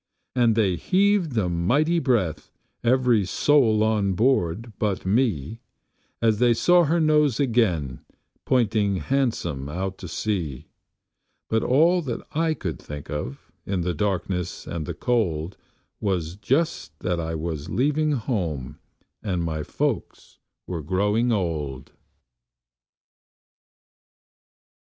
And they heaved a mighty breath, every soul on board but me, As they saw her nose again pointing handsome out to sea; But all that I could think of, in the darkness and the cold, Was just that I was leaving home and my folks were growing old.